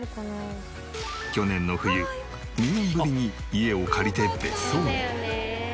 去年の冬２年ぶりに家を借りて別荘に。